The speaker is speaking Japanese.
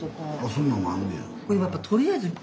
そんなんもあんねや。